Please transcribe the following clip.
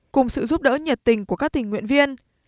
cùng sự giúp đỡ nhiệt tình của các tình nguyện viên